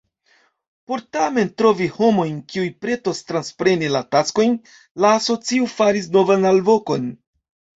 Por tamen trovi homojn kiuj pretos transpreni la taskojn, la asocio faris novan alvokon.